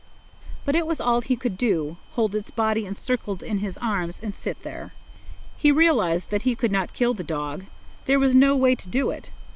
But it was all he could do, hold its body encircled in his arms and sit there. He realized that he could not kill the dog. There was no way to do it.